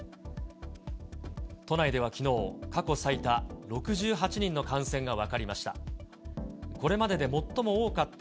都内ではきのう、過去最多６８人の感染が分かりました。